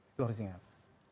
itu harus diingat